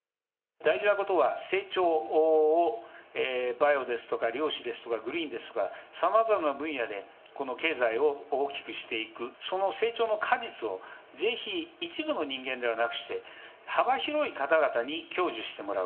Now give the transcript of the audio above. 大事なことは、成長を、バイオですとか、量子ですとか、グリーンですとか、さまざまな分野でこの経済を大きくしていく、その成長の果実を、ぜひ一部の人間ではなくして、幅広い方々に享受してもらう。